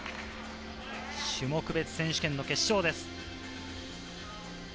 種目別選手権の決勝です。